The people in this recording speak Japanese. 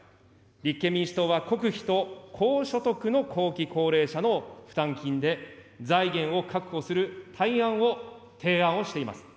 立憲民主党は国費と高所得の後期高齢者の負担金で、財源を確保する対案を提案をしています。